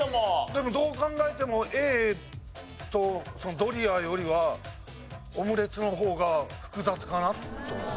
でもどう考えてもＡとドリアよりはオムレツの方が複雑かなと。